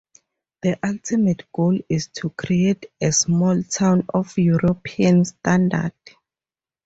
The ultimate goal is to create a small town of European standard.